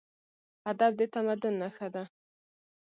ادب د تمدن نښه ده.